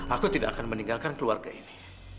aku tidak akan meninggalkan keluarga ini